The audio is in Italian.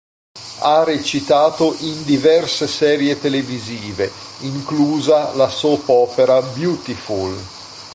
Ha recitato in diverse serie televisive inclusa la soap opera "Beautiful".